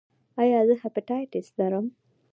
ایا زه هیپاټایټس لرم؟